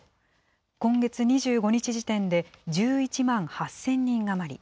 今月２５日時点で１１万８０００人余り。